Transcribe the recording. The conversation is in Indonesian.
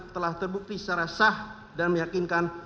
telah terbukti secara sah dan meyakinkan